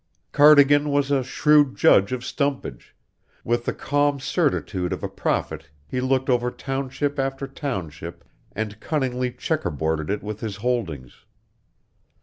Cardigan was a shrewd judge of stumpage; with the calm certitude of a prophet he looked over township after township and cunningly checkerboarded it with his holdings.